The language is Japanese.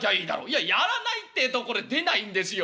「いややらないってえとこれ出ないんですよ。